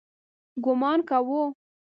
ګومان کاوه.